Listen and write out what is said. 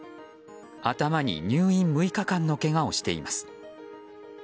頭に入院６日間のけがをしています。